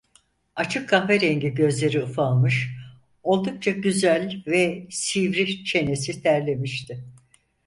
Açık kahverengi gözleri ufalmış, oldukça güzel ve sivri çenesi terlemişti.